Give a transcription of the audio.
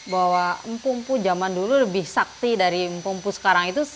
bahwa empu empu jaman dulu lebih sakti dari empu empu sekarang itu